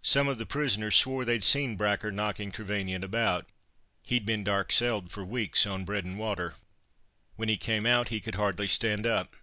Some of the prisoners swore they'd seen Bracker knocking Trevanion about. He'd been 'dark celled' for weeks on bread and water. When he came out he could hardly stand up.